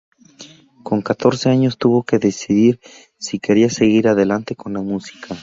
Con catorce años tuvo que decidir si quería seguir adelante con la música.